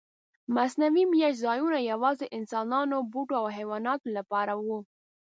مصنوعي میشت ځایونه یواځې انسانانو، بوټو او حیواناتو لپاره و.